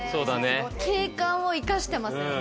景観を生かしてますよね。